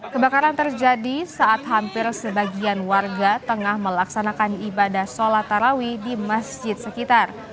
kebakaran terjadi saat hampir sebagian warga tengah melaksanakan ibadah sholat tarawih di masjid sekitar